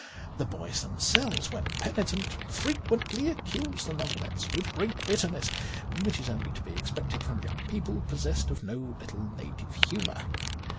The boys them selves, when penitent, frequently accuse the novelettes with great bitterness, which is only to be expected from young people possessed of no little native humour.